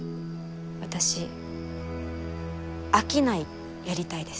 私商いやりたいです。